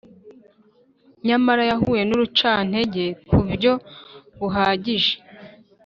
nyamara yahuye n’urucantege ku buryo bukabije